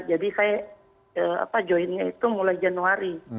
jadi saya joinnya itu mulai januari